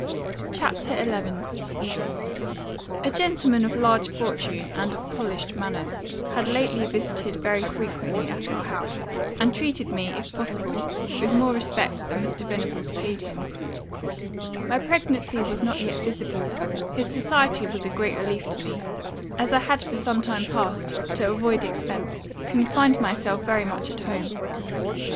CHAPTER 11 "A GENTLEMAN of large fortune and of polished manners, had lately visited very frequently at our house, and treated me, if possible, with more respect than Mr. Venables paid him; my pregnancy was not yet visible, his society was a great relief to me, as I had for some time past, to avoid expence, confined myself very much at home.